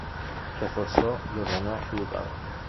Reforzó y ordenó su ducado.